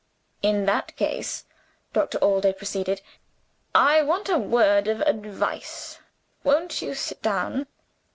"In that case," Doctor Allday proceeded, "I want a word of advice. Won't you sit down?"